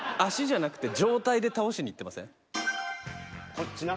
こっちな。